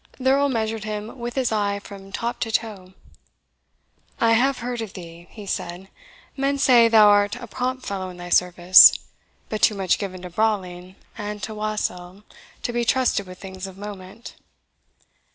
The Earl measured him with his eye from top to toe. "I have heard of thee," he said "men say thou art a prompt fellow in thy service, but too much given to brawling and to wassail to be trusted with things of moment."